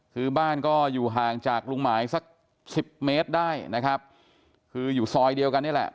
คือบ้านก็อยู่ห่างจากลุงหมายสักสิบเมตรได้นะครับคืออยู่ซอยเดียวกันนี่แหละ